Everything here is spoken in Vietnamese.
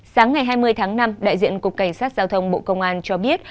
sáng ngày hai mươi tháng năm đại diện cục cảnh sát giao thông bộ công an cho biết